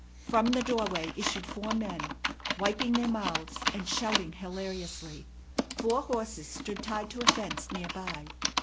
From the doorway issued four men, wiping their mouths and shouting hilariously. Four horses stood tied to a fence near by.